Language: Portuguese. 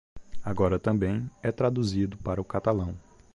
Agora também é traduzido para o catalão.